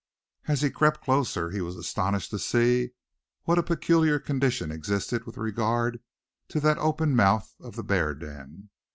As he crept closer he was astonished to see what a peculiar condition existed with regard to that open mouth of the bear den.